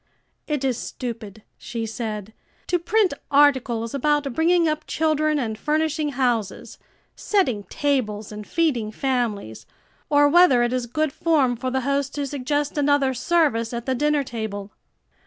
"It is stupid," she said, "to print articles about bringing up children and furnishing houses, setting tables and feeding families or whether it is good form for the host to suggest another service at the dinner table."